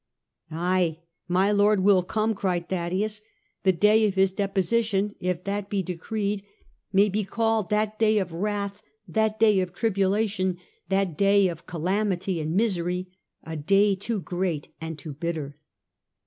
" Ay, my Lord will come," cried Thaddaeus. " The day of his deposition, if that be decreed, may be called that day of wrath, that day of tribulation, that day of calamity and misery, a day too great and too bitter."